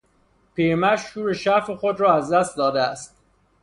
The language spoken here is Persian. پیرمرد شور و شعف خود را از دست داده است.